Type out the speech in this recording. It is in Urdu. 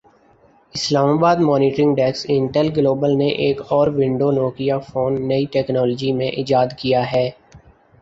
اسلام آباد مانیٹرنگ ڈیسک انٹل گلوبل نے ایک اور ونڈو نوکیا فون نئی ٹیکنالوجی میں ایجاد کیا ہے